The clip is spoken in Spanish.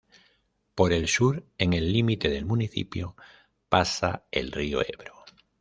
Por el sur, en el límite del municipio pasa el río Ebro.